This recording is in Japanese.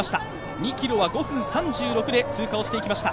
２ｋｍは５分３６で通過をしていきました。